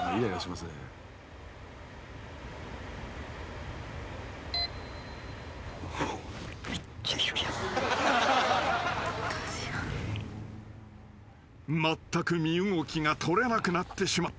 ［まったく身動きが取れなくなってしまった］